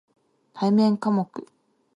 対面科目